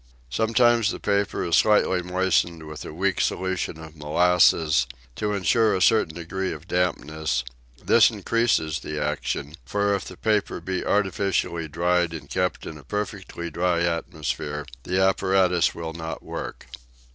Sometimes the paper is slightly moistened with a weak solution of molasses to insure a certain degree of dampness ; this increases the action, for if the paper be artificially dried and kept in a perfectly dry atmosphere, the apparatus will not work.